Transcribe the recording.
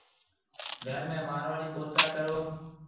گھر ۾ مارواڙي ٻولتا ڪرون۔